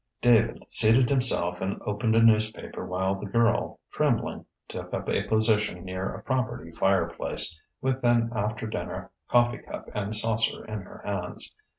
David seated himself and opened a newspaper while the girl, trembling, took up a position near a property fireplace, with an after dinner coffee cup and saucer in her hands.